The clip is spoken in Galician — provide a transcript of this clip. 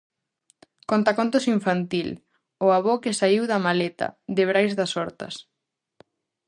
Contacontos infantil: "O avó que saíu da maleta" de Brais das Hortas.